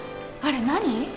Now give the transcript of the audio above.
あれ何？